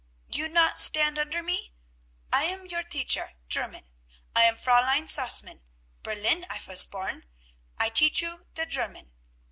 "You not stand under me? I am your teacher, German. I am Fräulein Sausmann. Berlin I vas born. I teach you der German.